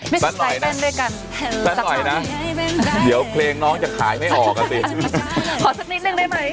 แป๊บหน่อยนะเดี๋ยวเพลงน้องจะขายไม่ออกอ่ะสิขอสักนิดนึงได้ไหม